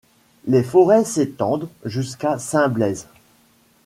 Les forêts s'étendent jusqu'à St-Blaise.